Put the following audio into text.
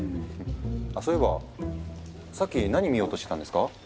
あそういえばさっき何見ようとしてたんですか？